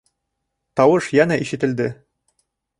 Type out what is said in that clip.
Тауыш йәнә ишетелде.